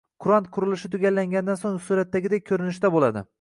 Kurant qurilishi tugallanganidan so‘ng suratdagidek ko‘rinishda bo‘ladi